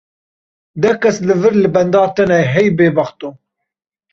Deh kes li vir li benda te ne hey bêbexto.